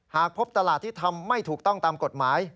หากพบตลาดที่ทำไม่ถูกต้องตามกฎหมาย